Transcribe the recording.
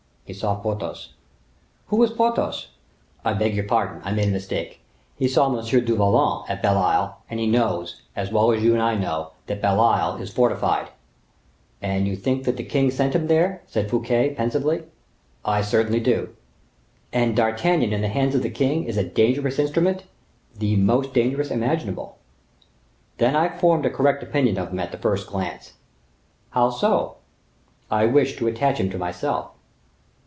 He saw Porthos." "Who is Porthos?" "I beg your pardon, I made a mistake. He saw M. du Vallon at Belle Isle; and he knows, as well as you and I do, that Belle Isle is fortified." "And you think that the king sent him there?" said Fouquet, pensively. "I certainly do." "And D'Artagnan, in the hands of the king, is a dangerous instrument?" "The most dangerous imaginable." "Then I formed a correct opinion of him at the first glance." "How so?" "I wished to attach him to myself."